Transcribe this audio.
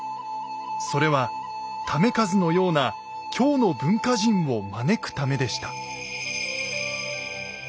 それは為和のような京の文化人を招くためでした。